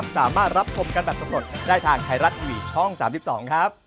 สวัสดีครับ